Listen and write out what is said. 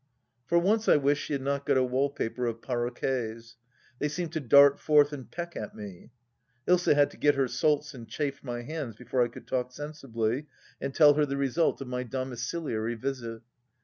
For once I wished she had not got a wallpaper of paro quets ; they seemed to dart forth and peck at me. Ilsa had to get her salts and chafe my hands before I could talk sensibly and tell her the result of my domiciliary visit.